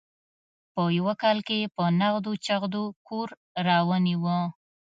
په یوه کال کې یې په نغدو چغدو کور رانیوه.